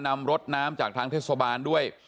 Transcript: นำรถน้ำจากทางเทศบาลด้วย